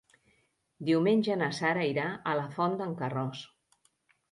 Diumenge na Sara irà a la Font d'en Carròs.